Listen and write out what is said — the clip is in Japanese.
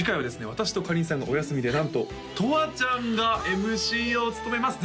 私とかりんさんがお休みでなんととわちゃんがＭＣを務めます